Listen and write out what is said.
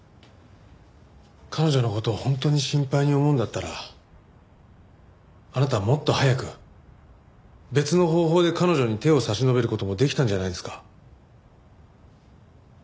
彼女の事を本当に心配に思うんだったらあなたはもっと早く別の方法で彼女に手を差し伸べる事もできたんじゃないですか？